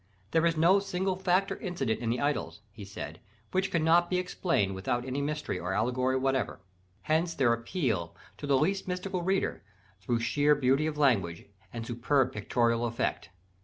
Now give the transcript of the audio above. "There is no single fact or incident in the Idylls," he said, "which cannot be explained without any mystery or allegory whatever." Hence their appeal to the least mystical reader, through sheer beauty of language and superb pictorial effect.